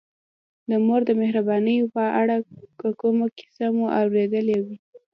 د مور د مهربانیو په اړه که کومه کیسه مو اورېدلې وي.